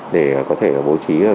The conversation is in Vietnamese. để có thể bố trí